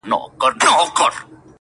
اوس به څوك له قلندره سره ژاړي٫